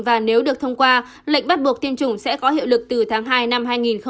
và nếu được thông qua lệnh bắt buộc tiêm chủng sẽ có hiệu lực từ tháng hai năm hai nghìn hai mươi